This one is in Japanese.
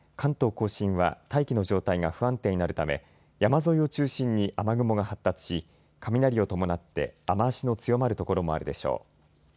甲信は大気の状態が不安定になるため山沿いを中心に雨雲が発達し雷を伴って雨足の強まる所もあるでしょう。